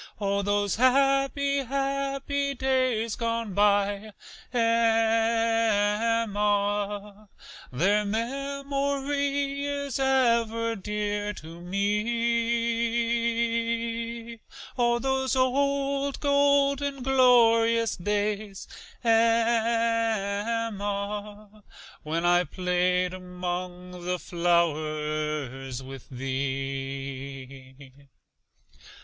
CHORUS: Oh, those happy, happy days gone by, Emma, Their memory is ever dear to me; Oh, those old golden, glorious days, Emma, When I played 'mong the flowers with thee.